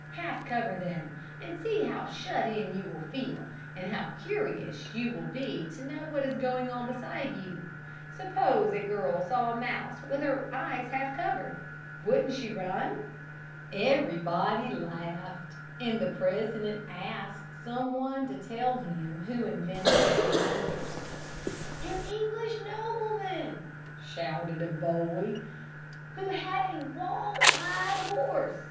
Half cover them, and see how shut in you will feel; and how curious you will be to know what is going on beside you. Suppose a girl saw a mouse with her eyes half covered, wouldn't she run?" Everybody laughed, and the president asked some one to tell him who invented blinders. "An English nobleman," shouted a boy, "who had a wall eyed horse!